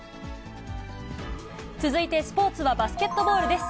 続いてスポーツはバスケットボールです。